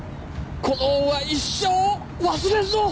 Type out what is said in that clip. この恩は一生忘れんぞ！